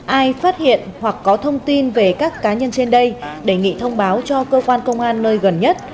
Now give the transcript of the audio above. ai phát hiện hoặc có thông tin về các cá nhân trên đây đề nghị thông báo cho cơ quan công an nơi gần nhất